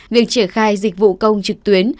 việc triển khai dịch vụ công trực tuyến